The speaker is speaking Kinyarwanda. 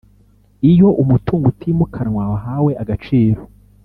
Iyo umutungo utimukanwa wahawe agaciro